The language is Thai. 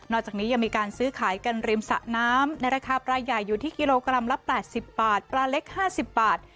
จากนี้ยังมีการซื้อขายกันริมสะน้ำในราคาปลาใหญ่อยู่ที่กิโลกรัมละ๘๐บาทปลาเล็ก๕๐บาท